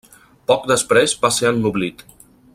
Poc després va ser ennoblit.